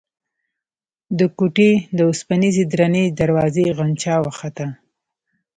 د کوټې د اوسپنيزې درنې دروازې غنجا وخته.